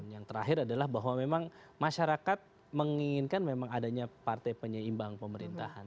yang terakhir adalah bahwa memang masyarakat menginginkan memang adanya partai penyeimbang pemerintahan